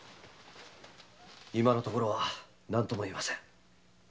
今のところは何とも言えません。